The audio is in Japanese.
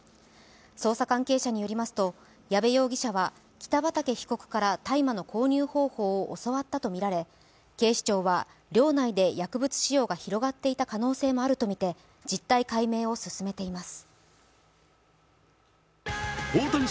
捜査関係者によりますと矢部容疑者は北畠被告から大麻の購入方法を教わったとみられ警視庁は薬物使用が広がっていた可能性もあるとみて実態解明を進めています。